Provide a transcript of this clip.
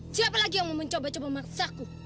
siapa lagi yang mau mencoba coba memaksaku